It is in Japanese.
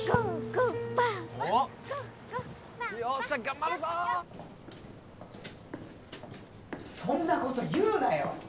ゴーゴーそんなこと言うなよ！